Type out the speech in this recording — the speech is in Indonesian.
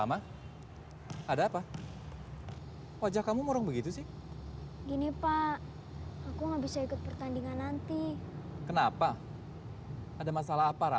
ah jangan oma